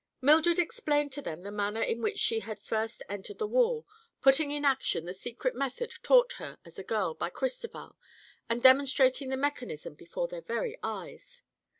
Mildred explained to them the manner in which she had first entered the wall, putting in action the secret method taught her as a girl by Cristoval and demonstrating the mechanism before their very eyes.